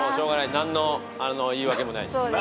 何の言い訳もないです。